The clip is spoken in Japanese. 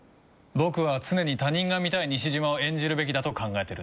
僕は常に他人が見たい西島を演じるべきだと考えてるんだ。